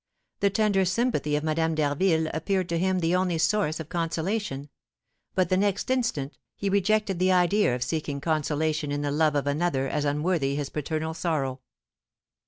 The tender sympathy of Madame d'Harville appeared to him the only source of consolation; but, the next instant, he rejected the idea of seeking consolation in the love of another as unworthy his paternal sorrow.